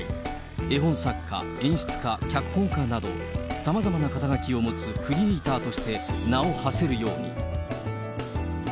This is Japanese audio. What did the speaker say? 絵本作家、演出家、脚本家など、さまざまな肩書を持つクリエーターとして名をはせるように。